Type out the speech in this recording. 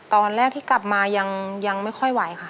ตอนแรกที่กลับมายังไม่ค่อยไหวค่ะ